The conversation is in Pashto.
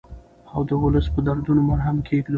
او د ولس په دردونو مرهم کېږدو.